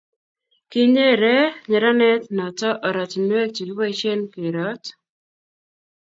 kinyere nyeranet noto ortinwek che kiboisien keroot